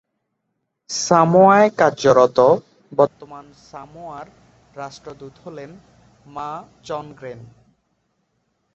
সামোয়ায় কার্যরত বর্তমান সামোয়ার রাষ্ট্রদূত হলে মা চনগ্রেন।